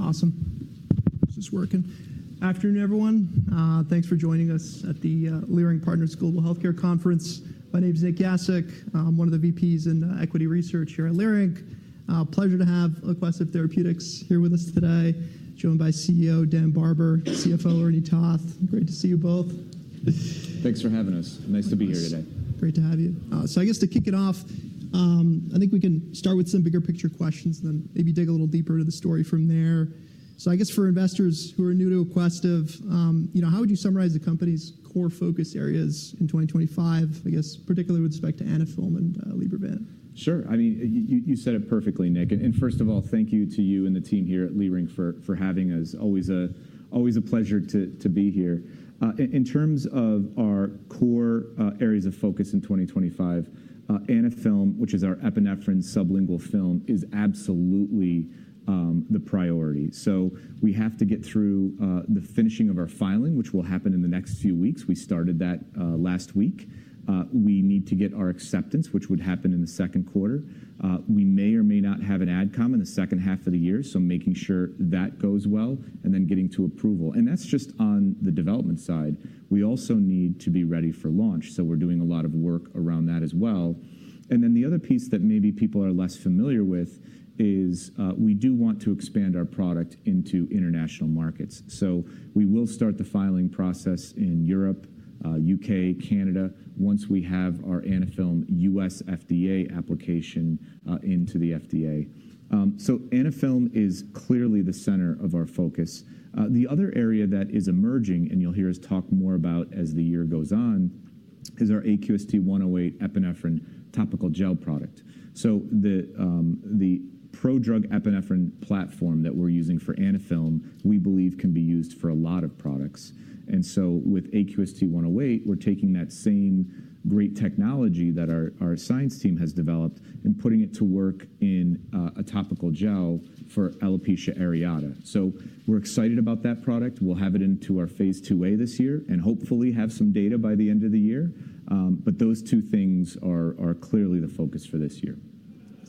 Make them ready whenever. Awesome. Is this working? Afternoon, everyone. Thanks for joining us at the Leerink Partners Global Healthcare Conference. My name is Nick Gasek. I'm one of the VPs in Equity Research here at Leerink. Pleasure to have Aquestive Therapeutics here with us today, joined by CEO Dan Barber, CFO Ernie Toth. Great to see you both. Thanks for having us. Nice to be here today. Great to have you. I guess to kick it off, I think we can start with some bigger picture questions and then maybe dig a little deeper into the story from there. I guess for investors who are new to Aquestive, how would you summarize the company's core focus areas in 2025, particularly with respect to Anaphylm and Libervant? Sure. I mean, you said it perfectly, Nick. First of all, thank you to you and the team here at Leerink for having us. Always a pleasure to be here. In terms of our core areas of focus in 2025, Anaphylm, which is our Epinephrine Sublingual Film, is absolutely the priority. We have to get through the finishing of our filing, which will happen in the next few weeks. We started that last week. We need to get our acceptance, which would happen in the second quarter. We may or may not have an AdCom in the second half of the year, making sure that goes well and then getting to approval. That is just on the development side. We also need to be ready for launch. We are doing a lot of work around that as well. The other piece that maybe people are less familiar with is we do want to expand our product into international markets. We will start the filing process in Europe, U.K., Canada once we have our Anaphylm U.S. FDA application into the FDA. Anaphylm is clearly the center of our focus. The other area that is emerging, and you'll hear us talk more about as the year goes on, is our AQST-108 epinephrine topical gel product. The prodrug epinephrine platform that we're using for Anaphylm, we believe can be used for a lot of products. With AQST-108, we're taking that same great technology that our science team has developed and putting it to work in a topical gel for alopecia areata. We're excited about that product. We'll have it into our phase II-A this year and hopefully have some data by the end of the year. Those two things are clearly the focus for this year.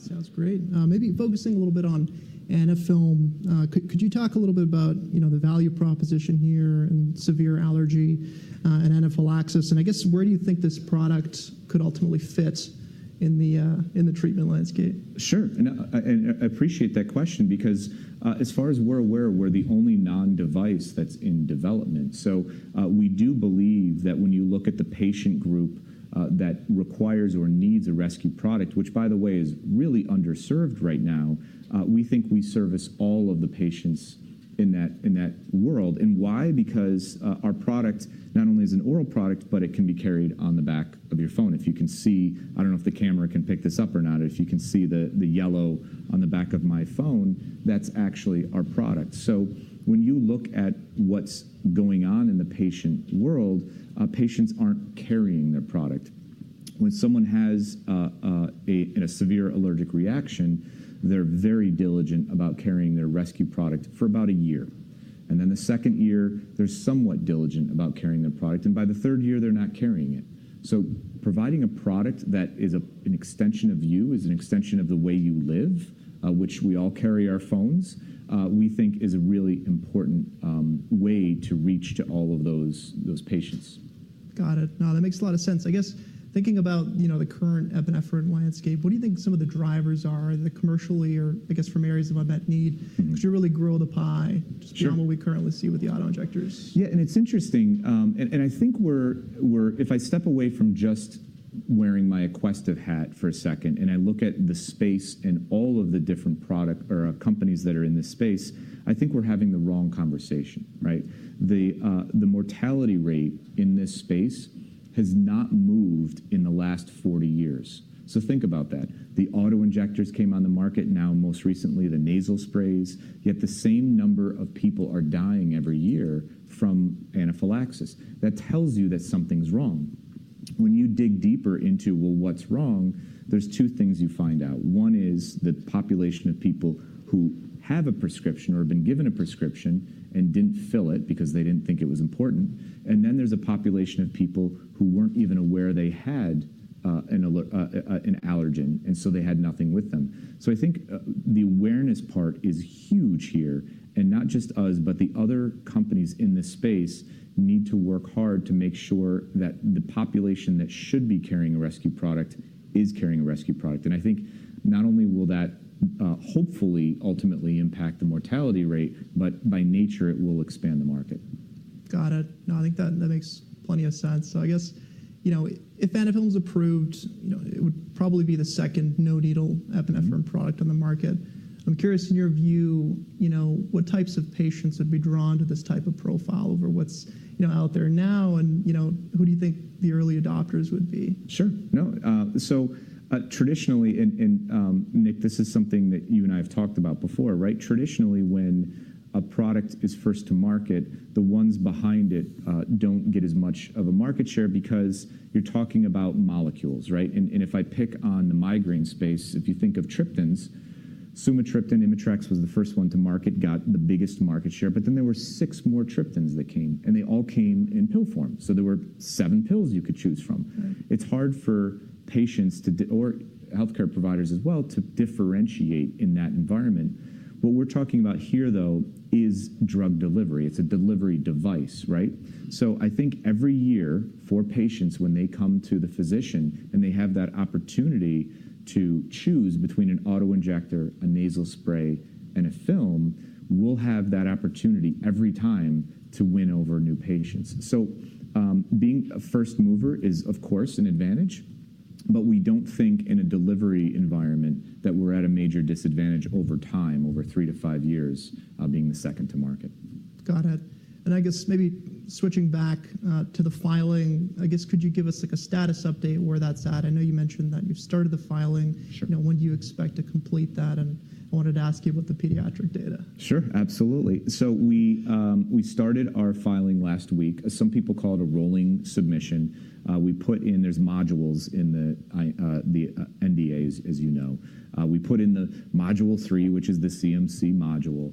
Sounds great. Maybe focusing a little bit on Anaphylm, could you talk a little bit about the value proposition here and severe allergy and anaphylaxis? I guess where do you think this product could ultimately fit in the treatment landscape? Sure. I appreciate that question because as far as we're aware, we're the only non-device that's in development. We do believe that when you look at the patient group that requires or needs a rescue product, which by the way is really underserved right now, we think we service all of the patients in that world. Why? Because our product not only is an oral product, but it can be carried on the back of your phone. If you can see, I don't know if the camera can pick this up or not, if you can see the yellow on the back of my phone, that's actually our product. When you look at what's going on in the patient world, patients aren't carrying their product. When someone has a severe allergic reaction, they're very diligent about carrying their rescue product for about a year. The second year, they're somewhat diligent about carrying their product. By the third year, they're not carrying it. Providing a product that is an extension of you, is an extension of the way you live, which we all carry our phones, we think is a really important way to reach to all of those patients. Got it. No, that makes a lot of sense. I guess thinking about the current epinephrine landscape, what do you think some of the drivers are commercially or, I guess, from areas of unmet need? Because you're really grilled upon what we currently see with the auto injectors. Yeah. It's interesting. I think we're, if I step away from just wearing my Aquestive hat for a second and I look at the space and all of the different companies that are in this space, I think we're having the wrong conversation. The mortality rate in this space has not moved in the last 40 years. Think about that. The auto injectors came on the market, now most recently the nasal sprays, yet the same number of people are dying every year from anaphylaxis. That tells you that something's wrong. When you dig deeper into, well, what's wrong, there's two things you find out. One is the population of people who have a prescription or have been given a prescription and didn't fill it because they didn't think it was important. There is a population of people who were not even aware they had an allergen, and so they had nothing with them. I think the awareness part is huge here. Not just us, but the other companies in this space need to work hard to make sure that the population that should be carrying a rescue product is carrying a rescue product. I think not only will that hopefully ultimately impact the mortality rate, but by nature it will expand the market. Got it. No, I think that makes plenty of sense. I guess if Anaphylm was approved, it would probably be the second no-needle epinephrine product on the market. I'm curious, in your view, what types of patients would be drawn to this type of profile over what's out there now? Who do you think the early adopters would be? Sure. No. Traditionally, Nick, this is something that you and I have talked about before, right? Traditionally, when a product is first to market, the ones behind it do not get as much of a market share because you are talking about molecules. If I pick on the migraine space, if you think of triptans, sumatriptan, Imitrex was the first one to market, got the biggest market share. Then there were six more triptans that came, and they all came in pill form. There were seven pills you could choose from. It is hard for patients or healthcare providers as well to differentiate in that environment. What we are talking about here, though, is drug delivery. It is a delivery device. I think every year for patients, when they come to the physician and they have that opportunity to choose between an auto injector, a nasal spray, and a film, we'll have that opportunity every time to win over new patients. Being a first mover is, of course, an advantage, but we don't think in a delivery environment that we're at a major disadvantage over time, over three to five years, being the second to market. Got it. I guess maybe switching back to the filing, I guess, could you give us a status update where that's at? I know you mentioned that you've started the filing. When do you expect to complete that? I wanted to ask you about the pediatric data. Sure. Absolutely. We started our filing last week. Some people call it a rolling submission. There are modules in the NDA, as you know. We put in the module three, which is the CMC module.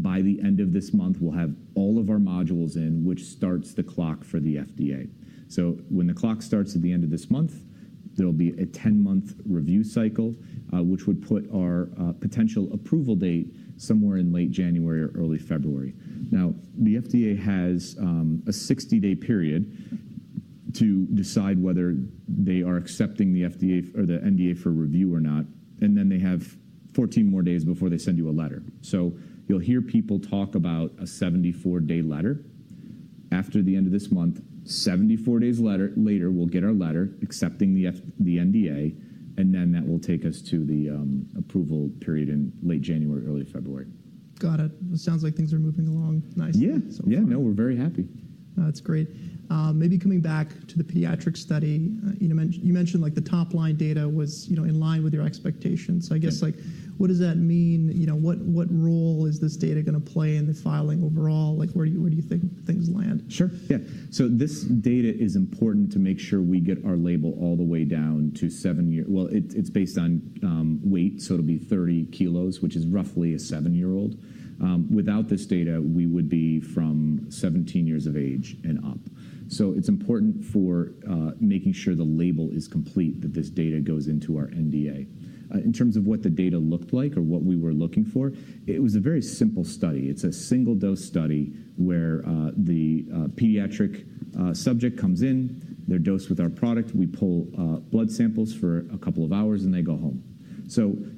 By the end of this month, we will have all of our modules in, which starts the clock for the FDA. When the clock starts at the end of this month, there will be a 10-month review cycle, which would put our potential approval date somewhere in late January or early February. The FDA has a 60-day period to decide whether they are accepting the NDA for review or not. They have 14 more days before they send you a letter. You will hear people talk about a 74-day letter. After the end of this month, 74 days later, we'll get our letter accepting the NDA, and then that will take us to the approval period in late January, early February. Got it. It sounds like things are moving along nicely. Yeah. Yeah. No, we're very happy. That's great. Maybe coming back to the pediatric study, you mentioned the top line data was in line with your expectations. What does that mean? What role is this data going to play in the filing overall? Where do you think things land? Sure. Yeah. This data is important to make sure we get our label all the way down to seven years. It's based on weight, so it'll be 30 kg, which is roughly a seven-year-old. Without this data, we would be from 17 years of age and up. It's important for making sure the label is complete that this data goes into our NDA. In terms of what the data looked like or what we were looking for, it was a very simple study. It's a single-dose study where the pediatric subject comes in, they're dosed with our product, we pull blood samples for a couple of hours, and they go home.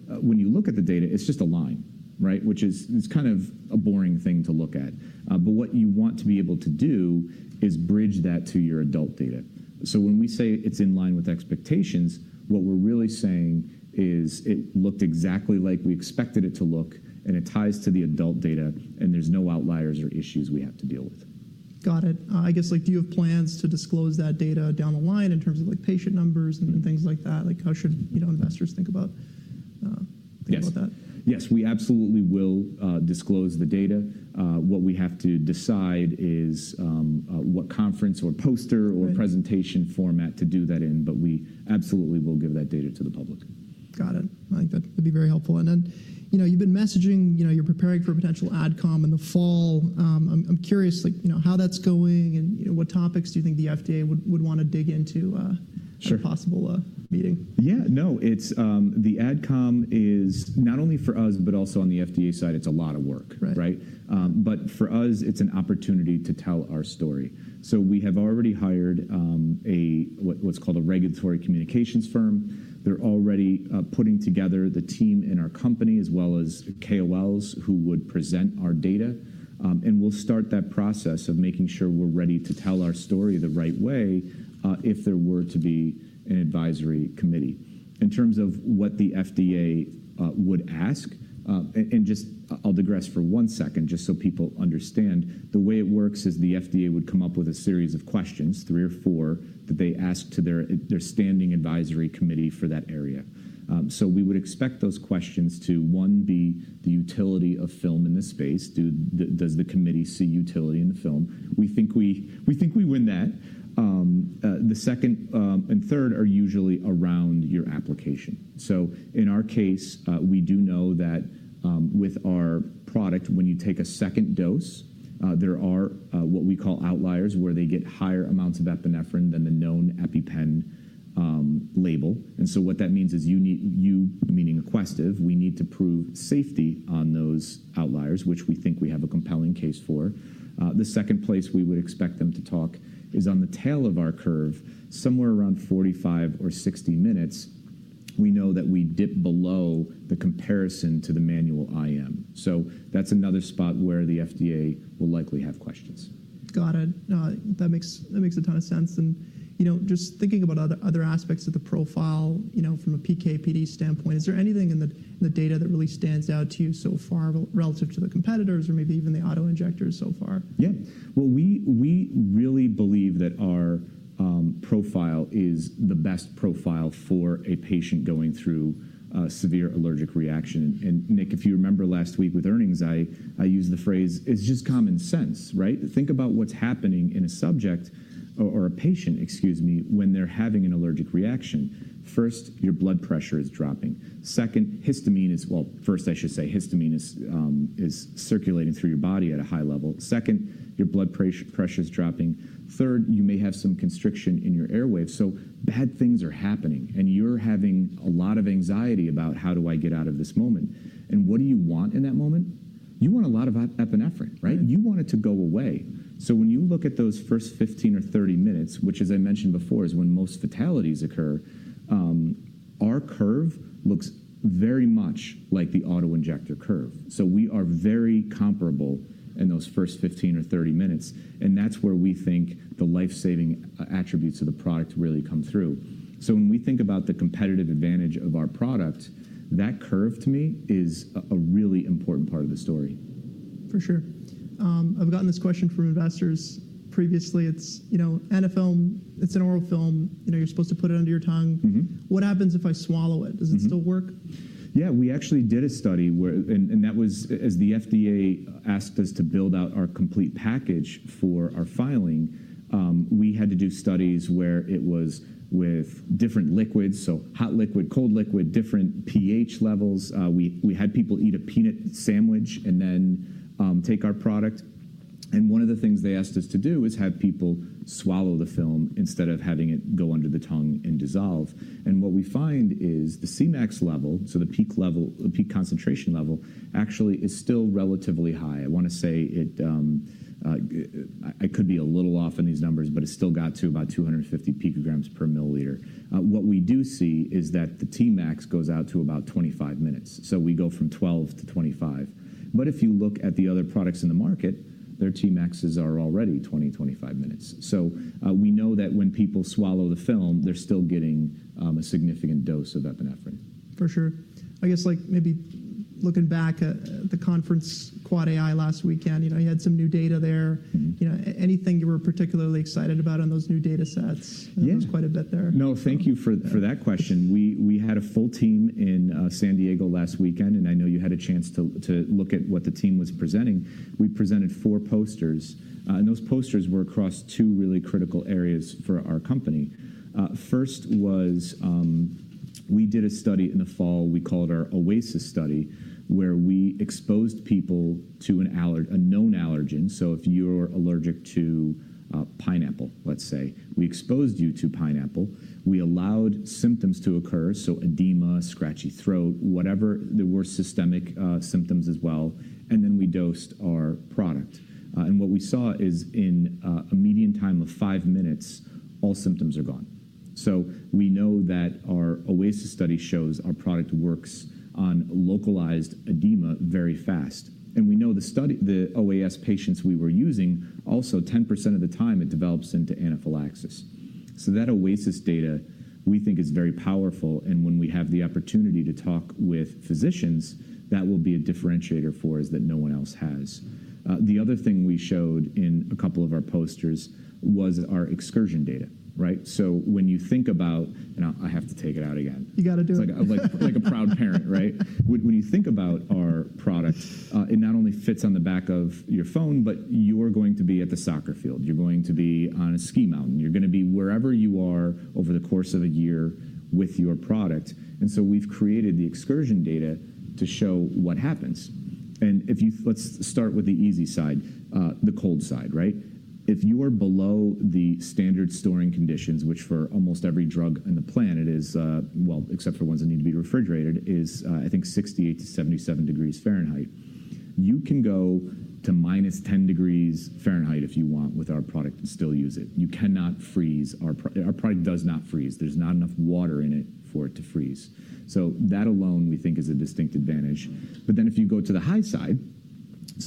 When you look at the data, it's just a line, which is kind of a boring thing to look at. What you want to be able to do is bridge that to your adult data. So when we say it's in line with expectations, what we're really saying is it looked exactly like we expected it to look, and it ties to the adult data, and there's no outliers or issues we have to deal with. Got it. I guess do you have plans to disclose that data down the line in terms of patient numbers and things like that? How should investors think about that? Yes. We absolutely will disclose the data. What we have to decide is what conference or poster or presentation format to do that in, but we absolutely will give that data to the public. Got it. I think that would be very helpful. You have been messaging, you are preparing for a potential adcom in the fall. I am curious how that is going and what topics do you think the FDA would want to dig into at a possible meeting? Yeah. No, the AdCom is not only for us, but also on the FDA side, it's a lot of work. For us, it's an opportunity to tell our story. We have already hired what's called a regulatory communications firm. They're already putting together the team in our company as well as KOLs who would present our data. We'll start that process of making sure we're ready to tell our story the right way if there were to be an advisory committee. In terms of what the FDA would ask, and just I'll digress for one second just so people understand, the way it works is the FDA would come up with a series of questions, three or four, that they ask to their standing advisory committee for that area. We would expect those questions to, one, be the utility of film in this space. Does the committee see utility in the film? We think we win that. The second and third are usually around your application. In our case, we do know that with our product, when you take a second dose, there are what we call outliers where they get higher amounts of epinephrine than the known EpiPen label. What that means is you, meaning Aquestive, we need to prove safety on those outliers, which we think we have a compelling case for. The second place we would expect them to talk is on the tail of our curve, somewhere around 45 or 60 minutes, we know that we dip below the comparison to the manual IM. That is another spot where the FDA will likely have questions. Got it. That makes a ton of sense. Just thinking about other aspects of the profile from a PK/PD standpoint, is there anything in the data that really stands out to you so far relative to the competitors or maybe even the auto injectors so far? Yeah. We really believe that our profile is the best profile for a patient going through a severe allergic reaction. Nick, if you remember last week with earnings, I used the phrase, it's just common sense. Think about what's happening in a subject or a patient, excuse me, when they're having an allergic reaction. First, your blood pressure is dropping. Second, histamine is, well, first I should say histamine is circulating through your body at a high level. Second, your blood pressure is dropping. Third, you may have some constriction in your airway. Bad things are happening, and you're having a lot of anxiety about how do I get out of this moment. What do you want in that moment? You want a lot of epinephrine. You want it to go away. When you look at those first 15 or 30 minutes, which, as I mentioned before, is when most fatalities occur, our curve looks very much like the auto injector curve. We are very comparable in those first 15 or 30 minutes. That's where we think the life-saving attributes of the product really come through. When we think about the competitive advantage of our product, that curve to me is a really important part of the story. For sure. I've gotten this question from investors previously. It's Anaphylm, it's an oral film. You're supposed to put it under your tongue. What happens if I swallow it? Does it still work? Yeah. We actually did a study where, and that was as the FDA asked us to build out our complete package for our filing, we had to do studies where it was with different liquids, so hot liquid, cold liquid, different pH levels. We had people eat a peanut sandwich and then take our product. One of the things they asked us to do is have people swallow the film instead of having it go under the tongue and dissolve. What we find is the Cmax level, so the peak concentration level, actually is still relatively high. I want to say I could be a little off in these numbers, but it still got to about 250 pg/mL. What we do see is that the Tmax goes out to about 25 minutes. We go from 12 to 25. If you look at the other products in the market, their Tmaxs are already 20-25 minutes. We know that when people swallow the film, they're still getting a significant dose of epinephrine. For sure. I guess maybe looking back at the conference, Quad AI last weekend, you had some new data there. Anything you were particularly excited about on those new data sets? There was quite a bit there. No, thank you for that question. We had a full team in San Diego last weekend, and I know you had a chance to look at what the team was presenting. We presented four posters. Those posters were across two really critical areas for our company. First was we did a study in the fall. We called our OASIS study where we exposed people to a known allergen. If you're allergic to pineapple, let's say, we exposed you to pineapple. We allowed symptoms to occur, so edema, scratchy throat, whatever. There were systemic symptoms as well. We dosed our product. What we saw is in a median time of five minutes, all symptoms are gone. We know that our OASIS study shows our product works on localized edema very fast. We know the OAS patients we were using, also 10% of the time it develops into anaphylaxis. That OASIS data we think is very powerful. When we have the opportunity to talk with physicians, that will be a differentiator for us that no one else has. The other thing we showed in a couple of our posters was our excursion data. When you think about, and I have to take it out again. You got to do it. Like a proud parent, right? When you think about our product, it not only fits on the back of your phone, but you're going to be at the soccer field. You're going to be on a ski mountain. You're going to be wherever you are over the course of a year with your product. We have created the excursion data to show what happens. Let's start with the easy side, the cold side. If you are below the standard storing conditions, which for almost every drug on the planet is, except for ones that need to be refrigerated, I think 68 to 77 degrees Fahrenheit, you can go to minus 10 degrees Fahrenheit if you want with our product and still use it. You cannot freeze. Our product does not freeze. There's not enough water in it for it to freeze. That alone we think is a distinct advantage. If you go to the high side,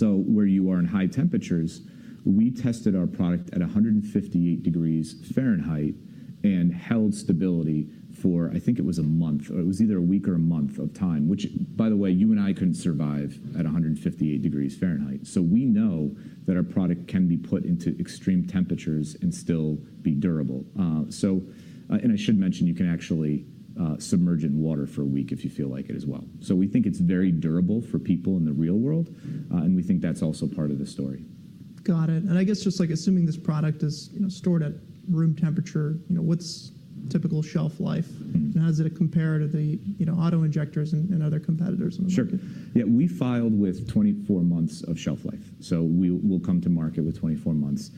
where you are in high temperatures, we tested our product at 158 degrees Fahrenheit and held stability for, I think it was a month, or it was either a week or a month of time, which, by the way, you and I could not survive at 158 degrees Fahrenheit. We know that our product can be put into extreme temperatures and still be durable. I should mention you can actually submerge in water for a week if you feel like it as well. We think it is very durable for people in the real world. We think that is also part of the story. Got it. I guess just assuming this product is stored at room temperature, what's typical shelf life? How does it compare to the auto injectors and other competitors? Sure. Yeah. We filed with 24 months of shelf life. So we'll come to market with 24 months.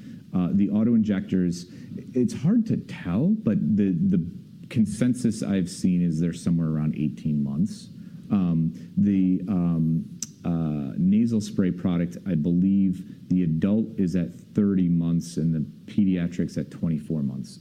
The auto injectors, it's hard to tell, but the consensus I've seen is they're somewhere around 18 months. The nasal spray product, I believe the adult is at 30 months and the pediatrics at 24 months.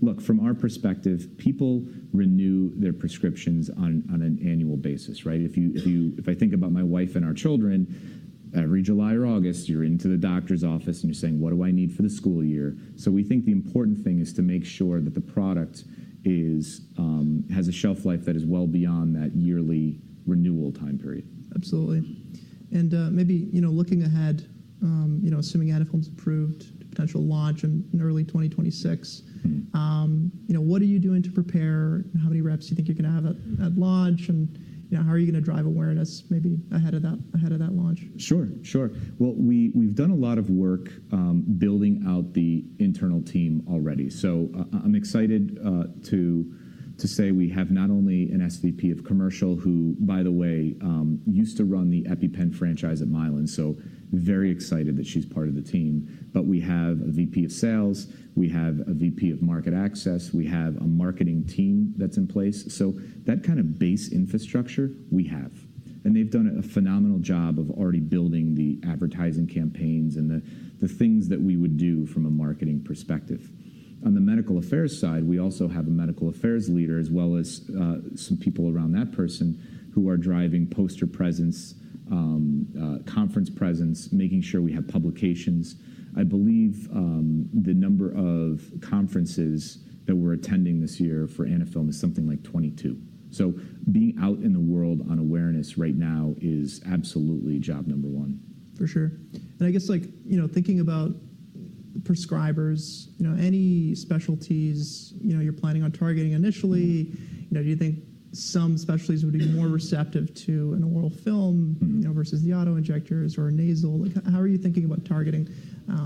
Look, from our perspective, people renew their prescriptions on an annual basis. If I think about my wife and our children, every July or August, you're into the doctor's office and you're saying, what do I need for the school year? We think the important thing is to make sure that the product has a shelf life that is well beyond that yearly renewal time period. Absolutely. Maybe looking ahead, assuming Anaphylm's approved potential launch in early 2026, what are you doing to prepare? How many reps do you think you're going to have at launch? How are you going to drive awareness maybe ahead of that launch? Sure. Sure. We've done a lot of work building out the internal team already. I'm excited to say we have not only an SVP of Commercial who, by the way, used to run the EpiPen franchise at Mylan. I'm very excited that she's part of the team. We have a VP of Sales. We have a VP of Market Access. We have a marketing team that's in place. That kind of base infrastructure, we have. They've done a phenomenal job of already building the advertising campaigns and the things that we would do from a marketing perspective. On the Medical Affairs side, we also have a Medical Affairs leader as well as some people around that person who are driving poster presence, conference presence, making sure we have publications. I believe the number of conferences that we're attending this year for Anaphylm is something like 22. Being out in the world on awareness right now is absolutely job number one. For sure. I guess thinking about prescribers, any specialties you're planning on targeting initially? Do you think some specialties would be more receptive to an oral film versus the auto injectors or nasal? How are you thinking about targeting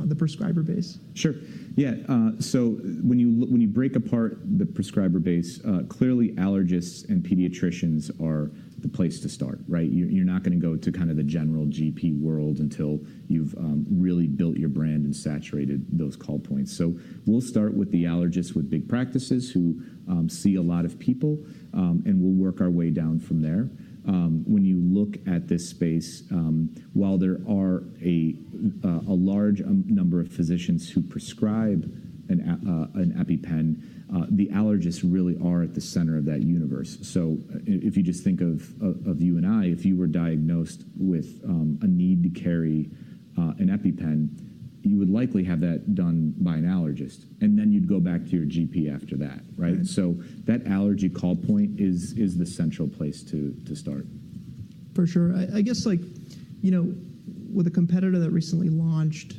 the prescriber base? Sure. Yeah. When you break apart the prescriber base, clearly allergists and pediatricians are the place to start. You're not going to go to kind of the general GP world until you've really built your brand and saturated those call points. We'll start with the allergists with big practices who see a lot of people, and we'll work our way down from there. When you look at this space, while there are a large number of physicians who prescribe an EpiPen, the allergists really are at the center of that universe. If you just think of you and I, if you were diagnosed with a need to carry an EpiPen, you would likely have that done by an allergist. You'd go back to your GP after that. That allergy call point is the central place to start. For sure. I guess with a competitor that recently launched,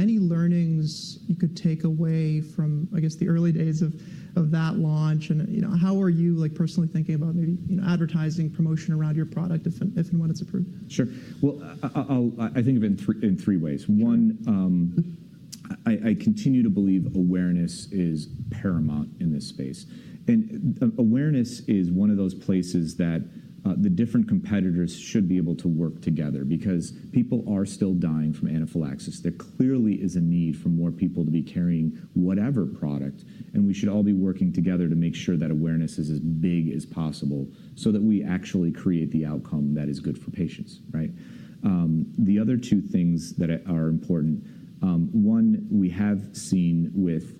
any learnings you could take away from, I guess, the early days of that launch? How are you personally thinking about maybe advertising promotion around your product if and when it's approved? Sure. I think of it in three ways. One, I continue to believe awareness is paramount in this space. Awareness is one of those places that the different competitors should be able to work together because people are still dying from anaphylaxis. There clearly is a need for more people to be carrying whatever product. We should all be working together to make sure that awareness is as big as possible so that we actually create the outcome that is good for patients. The other two things that are important, one, we have seen with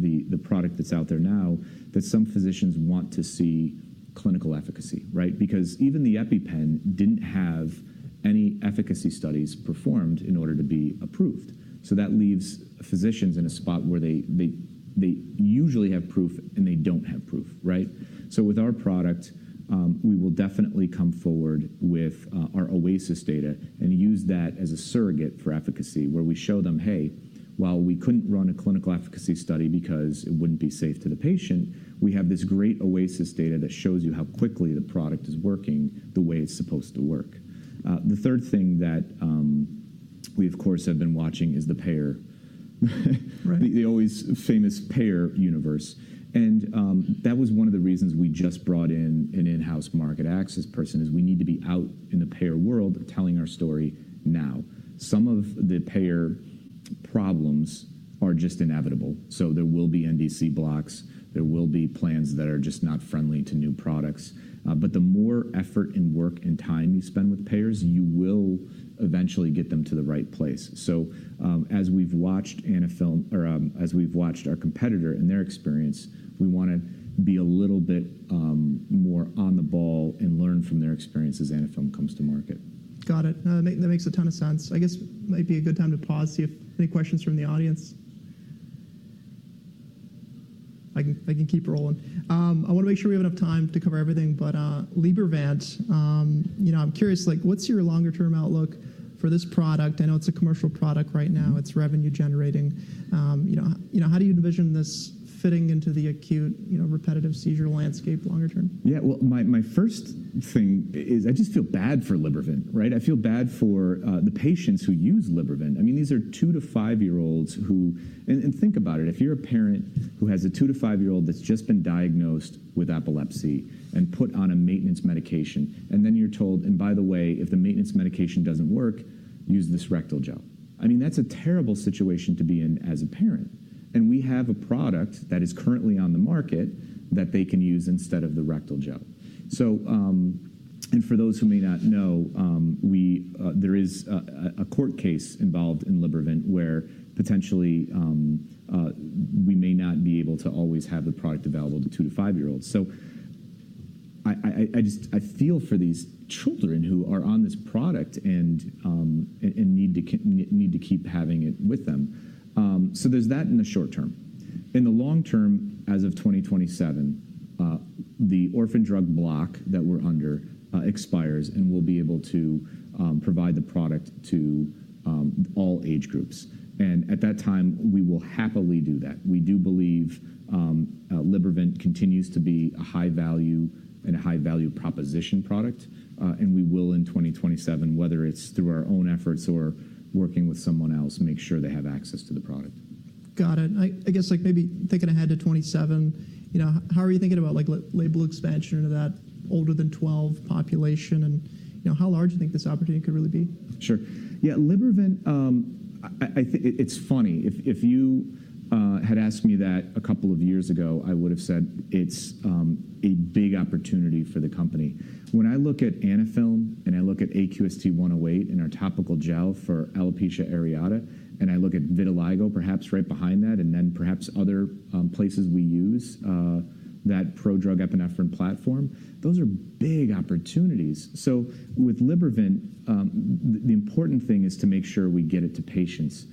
the product that's out there now that some physicians want to see clinical efficacy because even the EpiPen did not have any efficacy studies performed in order to be approved. That leaves physicians in a spot where they usually have proof and they do not have proof. With our product, we will definitely come forward with our OASIS data and use that as a surrogate for efficacy where we show them, hey, while we couldn't run a clinical efficacy study because it wouldn't be safe to the patient, we have this great OASIS data that shows you how quickly the product is working the way it's supposed to work. The third thing that we, of course, have been watching is the payer. The always famous payer universe. That was one of the reasons we just brought in an in-house market access person is we need to be out in the payer world telling our story now. Some of the payer problems are just inevitable. There will be NDC blocks. There will be plans that are just not friendly to new products. The more effort and work and time you spend with payers, you will eventually get them to the right place. As we've watched Anaphylm or as we've watched our competitor and their experience, we want to be a little bit more on the ball and learn from their experience as Anaphylm comes to market. Got it. That makes a ton of sense. I guess it might be a good time to pause, see if any questions from the audience. I can keep rolling. I want to make sure we have enough time to cover everything. But Libervant, I'm curious, what's your longer-term outlook for this product? I know it's a commercial product right now. It's revenue-generating. How do you envision this fitting into the acute repetitive seizure landscape longer term? Yeah. My first thing is I just feel bad for Libervant. I feel bad for the patients who use Libervant. I mean, these are two- to five-year-olds who, and think about it. If you're a parent who has a two- to five-year-old that's just been diagnosed with epilepsy and put on a maintenance medication, and then you're told, and by the way, if the maintenance medication doesn't work, use this rectal gel. I mean, that's a terrible situation to be in as a parent. We have a product that is currently on the market that they can use instead of the rectal gel. For those who may not know, there is a court case involved in Libervant where potentially we may not be able to always have the product available to two- to five-year-olds. I feel for these children who are on this product and need to keep having it with them. There's that in the short term. In the long term, as of 2027, the orphan drug block that we're under expires and we'll be able to provide the product to all age groups. At that time, we will happily do that. We do believe Libervant continues to be a high-value and a high-value proposition product. We will in 2027, whether it's through our own efforts or working with someone else, make sure they have access to the product. Got it. I guess maybe thinking ahead to 2027, how are you thinking about label expansion into that older than 12 population? And how large do you think this opportunity could really be? Sure. Yeah. Libervant, it's funny. If you had asked me that a couple of years ago, I would have said it's a big opportunity for the company. When I look at Anaphylm and I look at AQST-108 and our topical gel for alopecia areata, and I look at vitiligo, perhaps right behind that, and then perhaps other places we use that prodrug epinephrine platform, those are big opportunities. With Libervant, the important thing is to make sure we get it to patients.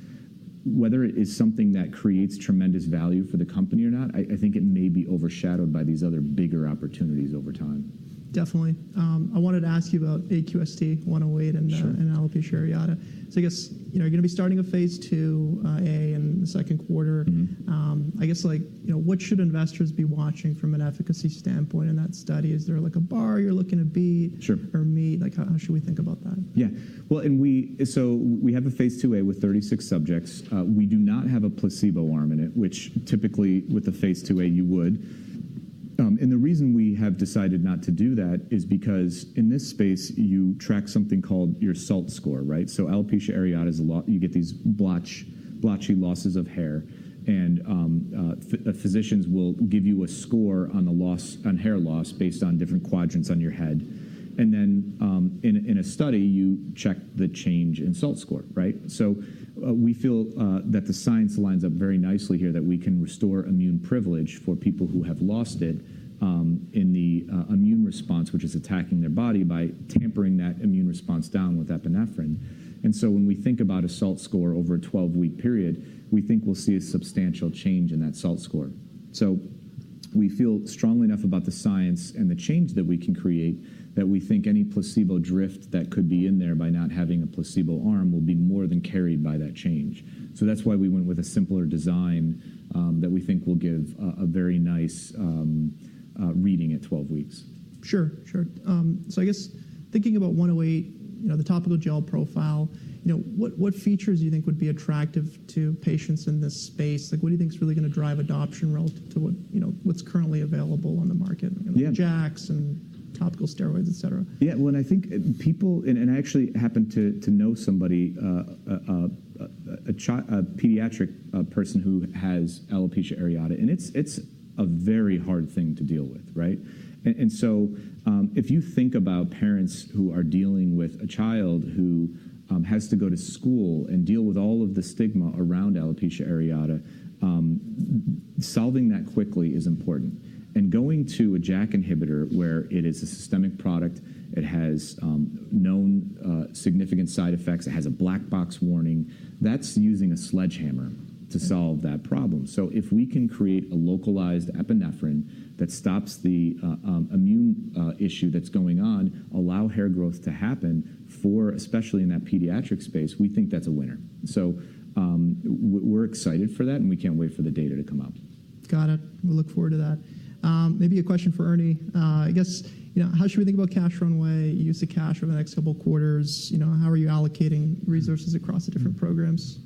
Whether it is something that creates tremendous value for the company or not, I think it may be overshadowed by these other bigger opportunities over time. Definitely. I wanted to ask you about AQST-108 and alopecia areata. I guess you're going to be starting a phase II-A in the second quarter. I guess what should investors be watching from an efficacy standpoint in that study? Is there a bar you're looking to beat or meet? How should we think about that? Yeah. We have a phase II-A with 36 subjects. We do not have a placebo arm in it, which typically with a phase II-A, you would. The reason we have decided not to do that is because in this space, you track something called your SALT score. Alopecia areata, you get these blotchy losses of hair. Physicians will give you a score on hair loss based on different quadrants on your head. In a study, you check the change in SALT score. We feel that the science lines up very nicely here that we can restore immune privilege for people who have lost it in the immune response, which is attacking their body by tampering that immune response down with epinephrine. When we think about a SALT score over a 12-week period, we think we'll see a substantial change in that SALT score. We feel strongly enough about the science and the change that we can create that we think any placebo drift that could be in there by not having a placebo arm will be more than carried by that change. That is why we went with a simpler design that we think will give a very nice reading at 12 weeks. Sure. Sure. I guess thinking about 108, the topical gel profile, what features do you think would be attractive to patients in this space? What do you think is really going to drive adoption relative to what's currently available on the market? JAKs and topical steroids, et cetera. Yeah. I think people, and I actually happen to know somebody, a pediatric person who has alopecia areata. It's a very hard thing to deal with. If you think about parents who are dealing with a child who has to go to school and deal with all of the stigma around alopecia areata, solving that quickly is important. Going to a JAK inhibitor where it is a systemic product, it has known significant side effects, it has a black box warning, that's using a sledgehammer to solve that problem. If we can create a localized epinephrine that stops the immune issue that's going on, allow hair growth to happen, especially in that pediatric space, we think that's a winner. We're excited for that, and we can't wait for the data to come out. Got it. We'll look forward to that. Maybe a question for Ernie. I guess how should we think about cash runway, use of cash over the next couple of quarters? How are you allocating resources across the different programs?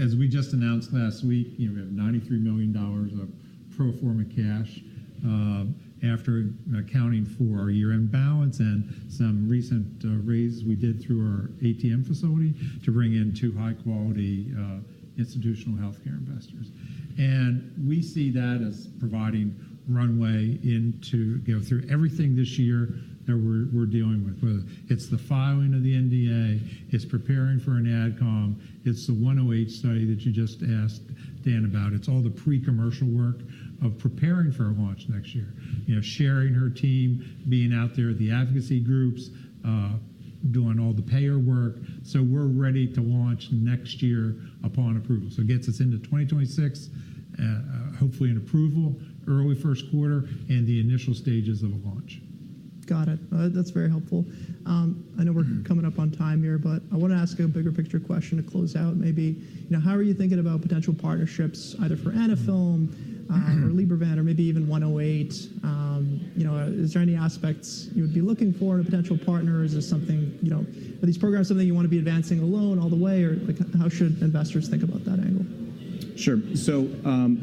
As we just announced last week, we have $93 million of pro forma cash after accounting for our year-end balance and some recent raises we did through our ATM facility to bring in two high-quality institutional healthcare investors. We see that as providing runway through everything this year that we're dealing with. Whether it's the filing of the NDA, preparing for an AdCom, the 108 study that you just asked, Dan, about, all the pre-commercial work of preparing for a launch next year, Sherry and her team being out there at the advocacy groups, doing all the payer work. We're ready to launch next year upon approval. It gets us into 2026, hopefully an approval, early first quarter, and the initial stages of a launch. Got it. That's very helpful. I know we're coming up on time here, but I want to ask a bigger picture question to close out. Maybe how are you thinking about potential partnerships either for Anaphylm or Libervant or maybe even 108? Is there any aspects you would be looking for in a potential partner? Is this something? Are these programs something you want to be advancing alone all the way? Or how should investors think about that angle? Sure. From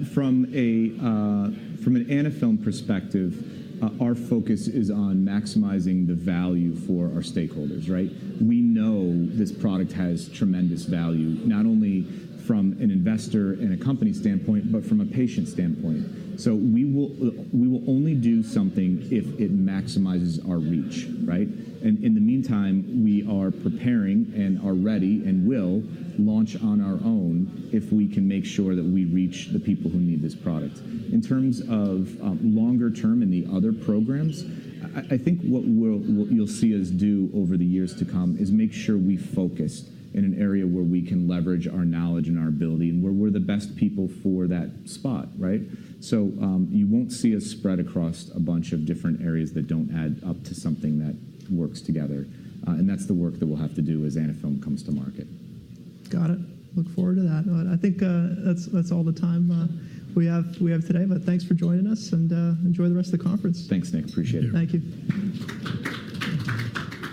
an Anaphylm perspective, our focus is on maximizing the value for our stakeholders. We know this product has tremendous value, not only from an investor and a company standpoint, but from a patient standpoint. We will only do something if it maximizes our reach. In the meantime, we are preparing and are ready and will launch on our own if we can make sure that we reach the people who need this product. In terms of longer term and the other programs, I think what you'll see us do over the years to come is make sure we focus in an area where we can leverage our knowledge and our ability and where we're the best people for that spot. You won't see us spread across a bunch of different areas that do not add up to something that works together. That's the work that we'll have to do as Anaphylm comes to market. Got it. Look forward to that. I think that's all the time we have today. Thanks for joining us and enjoy the rest of the conference. Thanks, Nick. Appreciate it. Thank you.